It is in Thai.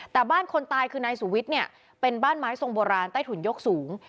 แต่บ้านคนตายคือนายสุวิทย์เนี่ยเป็นบ้านไม้ทรงโบราณใต้ถุนยกสูง